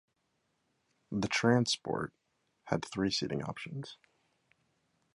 The Trans Sport had three seating options.